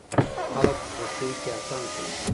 خلک په خوښيو کې اتڼ کوي.